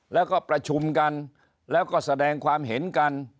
แล้วก็ประชุมกันแล้วก็แสดงความเห็นกัน